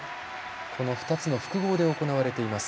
この２つの複合で行われています。